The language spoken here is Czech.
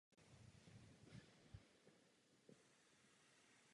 Mistrovství se zúčastnilo deset mužstev.